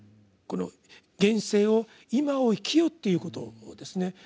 この現世を「今を生きよ」ということですね。